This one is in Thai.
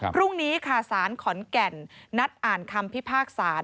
พรุ่งนี้ค่ะสารขอนแก่นนัดอ่านคำพิพากษา